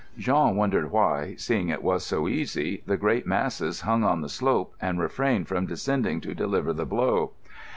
Jean wondered why, seeing it was so easy, the great masses hung on the slope and refrained from descending to deliver the blow.